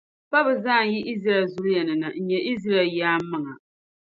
pa bɛn zaa yi Izraɛl zuliya ni na n-nyɛ Izraɛl yaan’ maŋa.